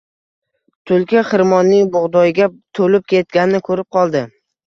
Tulki xirmonning bug’doyga to’lib ketganini ko’rib qoldi